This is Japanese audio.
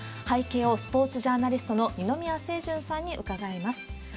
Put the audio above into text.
背景をスポーツジャーナリストの二宮清純さんに伺います。